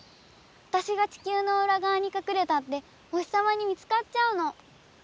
わたしが地きゅうのうら側にかくれたってお日さまに見つかっちゃうの。